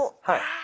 はい。